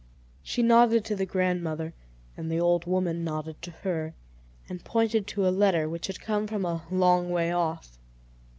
She nodded to the grandmother, and the old woman nodded to her, and pointed to a letter which had come from a long way off.